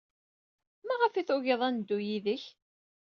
Maɣef ay tugiḍ ad neddu yid-k?